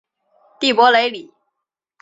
蒂珀雷里。